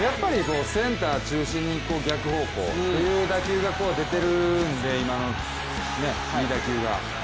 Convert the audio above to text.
センター中心に行く逆方向という打球が出てるんで、今のいい打球が。